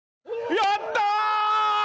やったー！